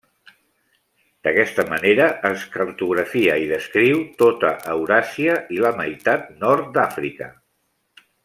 D'aquesta manera es cartografia i descriu tota Euràsia i la meitat nord d'Àfrica.